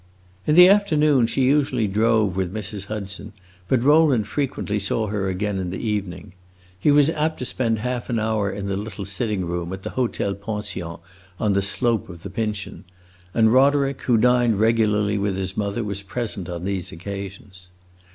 In the afternoon she usually drove with Mrs. Hudson, but Rowland frequently saw her again in the evening. He was apt to spend half an hour in the little sitting room at the hotel pension on the slope of the Pincian, and Roderick, who dined regularly with his mother, was present on these occasions.